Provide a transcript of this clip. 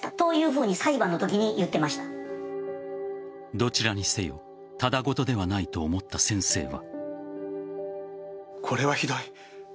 どちらにせよただ事ではないと思った先生は。